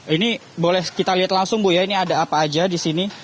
ini boleh kita lihat langsung bu ya ini ada apa aja di sini